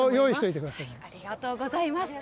ありがとうございます。